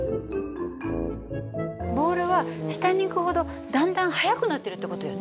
ボールは下にいくほどだんだん速くなってるって事よね。